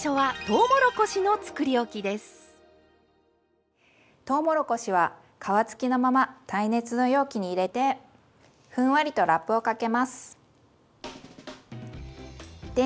とうもろこしは皮付きのまま耐熱の容器に入れてふんわりとラップをかけます。